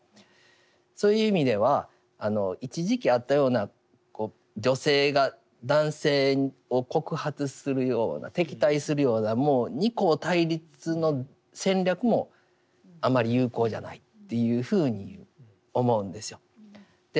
そういう意味では一時期あったような女性が男性を告発するような敵対するようなもう二項対立の戦略もあまり有効じゃないっていうふうに思うんですよ。